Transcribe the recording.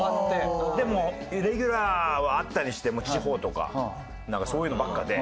でレギュラーはあったにしても地方とかなんかそういうのばっかりで。